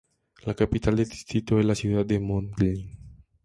La capital del distrito es la ciudad de Mödling.